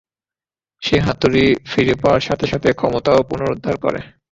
সে হাতুড়ি ফিরে পাওয়ার সাথে সাথে ক্ষমতাও পুনরুদ্ধার করে।